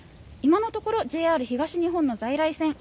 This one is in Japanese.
今のところＪＲ東日本の在来線